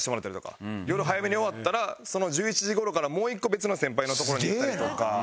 夜早めに終わったらその１１時頃からもう１個別の先輩の所に行ったりとか。